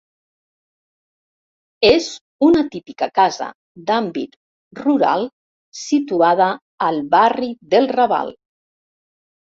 És una típica casa d'àmbit rural situada al barri del Raval.